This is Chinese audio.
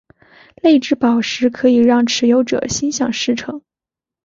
泪之宝石可以让持有者心想事成。